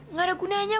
nggak ada gunanya